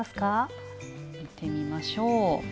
見てみましょう。